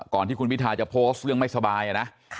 ก่อนที่คุณพิทาจะโพสต์เรื่องไม่สบายนะ